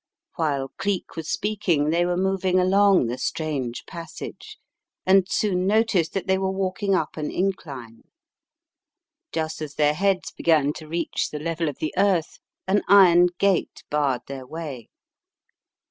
While Cleek was speaking they were moving along the strange passage and soon noticed that they were walking up an incline. Just as their heads began to reach the level of the earth, an iron gate barred thei* way.